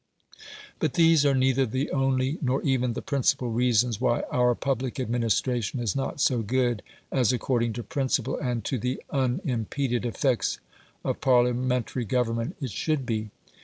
But these are neither the only nor even the principal reasons why our public administration is not so good as, according to principle and to the unimpeded effects of Parliamentary government, it should be.